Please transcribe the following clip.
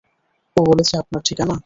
ও বলেছে আপনার ঠিকানা!